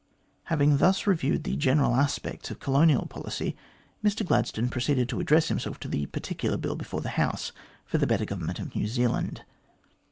Having thus reviewed the general aspects of colonial policy, Mr Gladstone proceeded to address himself to the particular Bill before the House for the better government of New Zealand.